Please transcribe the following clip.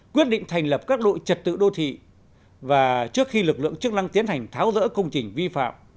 quyết định thành lập các đội trật tự đô thị và trước khi lực lượng chức năng tiến hành tháo rỡ công trình vi phạm